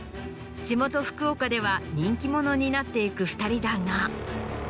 地元福岡では人気者になっていく２人だが。